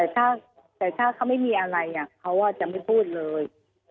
แต่ถ้าเขาไม่มีอะไรเขาจะไม่พูดเลย